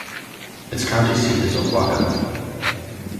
Its county seat is Oquawka.